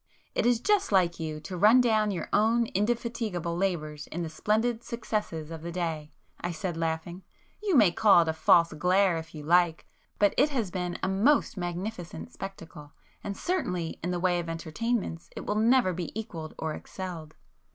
"It is just like you to run down your own indefatigable labours in the splendid successes of the day,"—I said laughing—"You may call it a 'false glare' if you like, but it has been a most magnificent spectacle,—and certainly in [p 287] the way of entertainments it will never be equalled or excelled."